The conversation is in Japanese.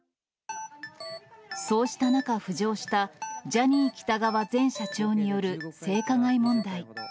そうした中、浮上した、ジャニー喜多川前社長による性加害問題。